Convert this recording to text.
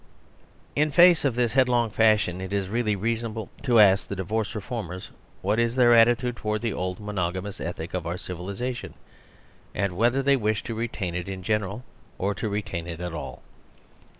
In face of this headlong fashion, it is really reasonable to ask the divorce reformers what is their attitude towards the old monogamous ethic of our civilisation; and whether they wish to retain it in general, or to retain it at all.